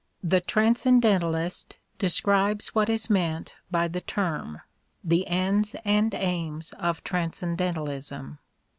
" The Transcendentalist " describes what is meant by the term — the ends and aims of transcendentalism.